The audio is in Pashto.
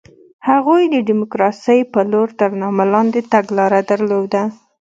هغوی د ډیموکراسۍ په لور تر نامه لاندې تګلاره درلوده.